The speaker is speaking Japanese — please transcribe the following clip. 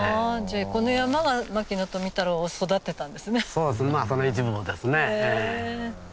そうですねその一部分ですね。